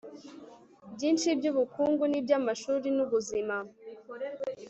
byinshi by'ubukungu niby'amashuri, n'ubuzima